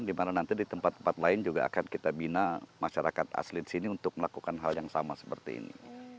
dimana nanti di tempat tempat lain juga akan kita bina masyarakat asli di sini untuk melakukan hal yang sama seperti ini